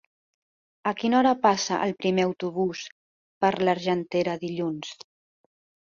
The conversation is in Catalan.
A quina hora passa el primer autobús per l'Argentera dilluns?